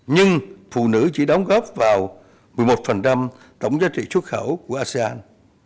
nhưng phụ nữ chỉ đóng góp vào một mươi một tổng giá trị xuất khẩu của asean